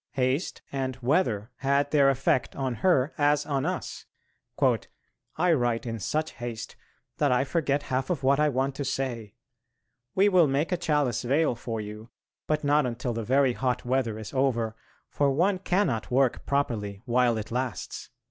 Haste and weather had their effect on her as on us: "I write in such haste that I forget half of what I want to say.... We will make a chalice veil for you, but not until the very hot weather is over, for one cannot work properly while it lasts."